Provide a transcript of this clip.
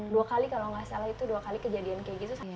dua kali kalau nggak salah itu dua kali kejadian kayak gitu